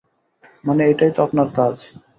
মানে, এটাই তো আপনার কাজ?